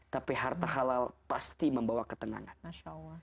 tapi harta halal pasti membawa ketenangan